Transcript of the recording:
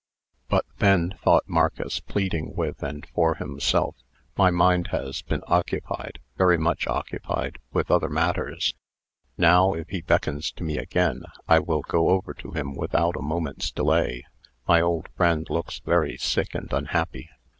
"But then," thought Marcus, pleading with and for himself, "my mind has been occupied very much occupied with other matters. Now, if he beckons to me again, I will go over to him without a moment's delay. My old friend looks very sick and unhappy."